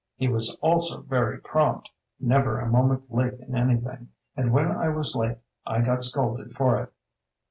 He was also very prompt — never a mo ment late in anything; and when I was late I got scolded for it.